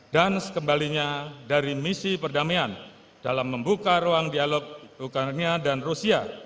dan sekembalinya dari misi perdamaian dalam membuka ruang dialog ukraina dan rusia